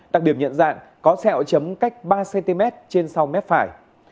đặc điểm nhận dạng có xe ỏi chấm cách ba cm trên sau mép phải